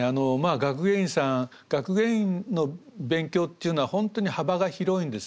学芸員さん学芸員の勉強っていうのは本当に幅が広いんですね。